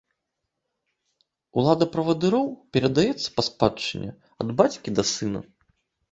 Улада правадыроў перадаецца па спадчыне ад бацькі да сына.